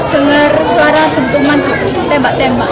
dengar suara dentuman itu tembak tembak